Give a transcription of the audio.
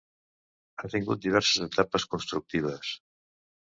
Ha tingut diverses etapes constructives.